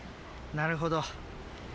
なるほど。